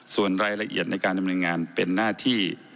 ส่วนรายละเอียดในการดำเนินงานเป็นหน้าที่